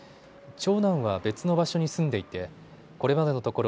長男は別の場所に住んでいてこれまでのところ